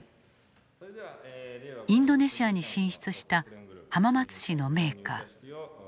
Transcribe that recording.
インドネシアに進出した浜松市のメーカー。